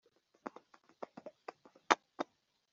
ngo ejo adacyurirwa ubugome